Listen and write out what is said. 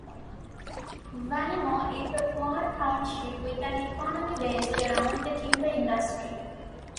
Vanimo is a small township with an economy based around the timber industry.